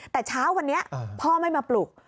แต่เช้าวันนี้พ่อไม่มาปลุก